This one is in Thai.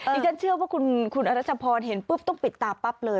ดิฉันเชื่อว่าคุณอรัชพรเห็นปุ๊บต้องปิดตาปั๊บเลย